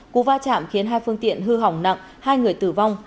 cú va chạm khiến hai phương tiện hư hỏng nặng hai người tử vong